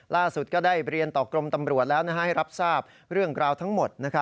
ก็ได้เรียนต่อกรมตำรวจแล้วให้รับทราบเรื่องราวทั้งหมด